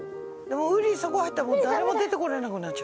ウリそこ入ったら誰も出て来れなくなっちゃう。